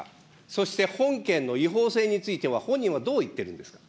そして、本件の違法性については、本人はどう言ってるんですか。